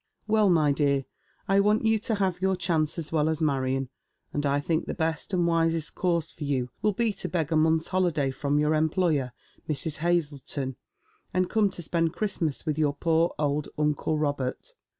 Well, my dear, I want you to have your chance as well as Marion, and I think the best and wisest course for you will be to beg a month's holiday from your employer, Mrs. Hazleton, and come to spend Christmas with your poor old uncle Robert.